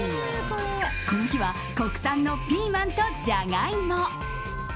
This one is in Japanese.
この日は国産のピーマンとジャガイモ。